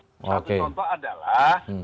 satu contoh adalah